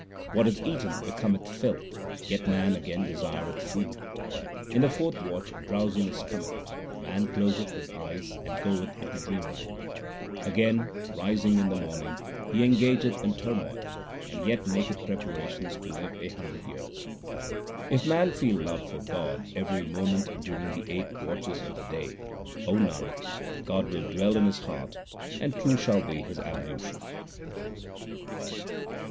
What is eaten becometh filth, yet man again desireth food. In the fourth watch drowsiness cometh, man closeth his eyes and goeth into dreamland. 1 Again rising in the morning he engageth in turmoil, and yet maketh preparations to live a hundred years. If man feel love for God every moment during the eight watches of the day, O Nanak, God will dwell in his heart and true shall be his ablution.